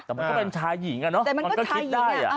แต่มันก็เป็นชายหญิงอะเนาะมันก็คิดได้